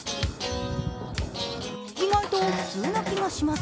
意外と普通な気がします。